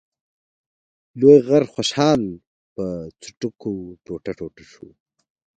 لوی غر خوشحال په څټکو ټوټه ټوټه شو.